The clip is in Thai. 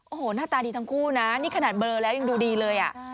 โอ้โหหน้าตาดีทั้งคู่นะนี่ขนาดเบลอแล้วยังดูดีเลยอ่ะ